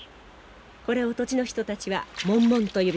これを土地の人たちはモンモンと呼びます。